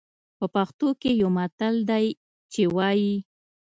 په پښتو کې يو متل دی چې وايي.